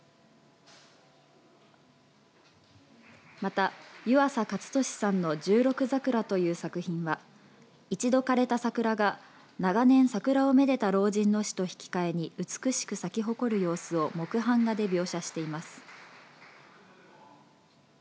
また、湯浅克俊さんの１６ざくらという作品は一度枯れた桜が長年桜をめでた老人の死と引き換えに美しく咲き誇る様子を木版画で描写しています。